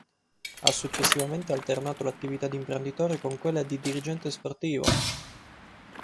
Ha successivamente alternato l’attività di imprenditore con quella di Dirigente Sportivo.